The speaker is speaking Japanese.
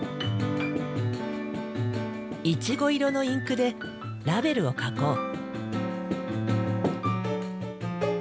イチゴ色のインクでラベルを書こう。